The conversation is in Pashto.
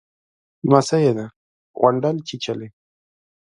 _لمسۍ يې ده، غونډل چيچلې.